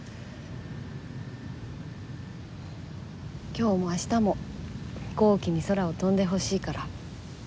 今日も明日も飛行機に空を飛んでほしいから。